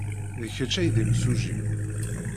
D kečč ay d imsujji.